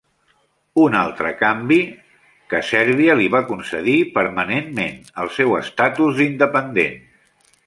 Un altre canvi ca se que Serbia li va concedir permanentment el seu estatus d'independent.